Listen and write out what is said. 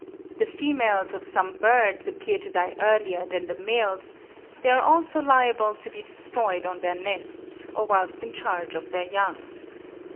The females of some birds appear to die earlier than the males; they are also liable to be destroyed on their nests, or whilst in charge of their young.